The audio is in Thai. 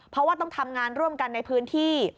เพราะว่าต้องทำงานร่วมกันในพื้นที่